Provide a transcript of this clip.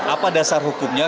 apa dasar hukumnya